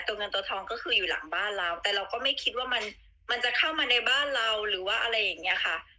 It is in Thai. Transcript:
เงินตัวทองก็คืออยู่หลังบ้านเราแต่เราก็ไม่คิดว่ามันมันจะเข้ามาในบ้านเราหรือว่าอะไรอย่างเงี้ยค่ะ